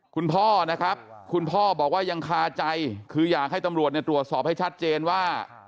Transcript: คุณพ่อนะครับคุณพ่อบอกว่ายังคาใจคืออยากให้ตำรวจเนี่ยตรวจสอบให้ชัดเจนว่า